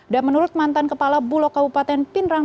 dan menurut mantan kepala bulog kabupaten pindrang